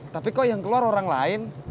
tapi kok yang keluar orang lain